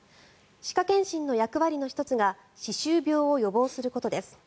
歯科検診の役割の１つが歯周病を予防することです。